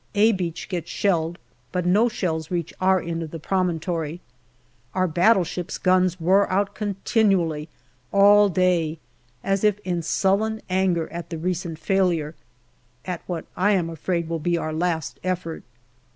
" A " Beach gets shelled, but no shells reach our end of the promontory. Our battleships' guns roar out continually all day, as if in sullen anger at the recent failure at what I am afraid will be our last effort.